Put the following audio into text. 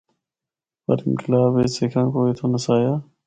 پر انقلاب بچ سکھاں کو اتھو نسایا۔